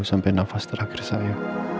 sampai nafas terakhir saya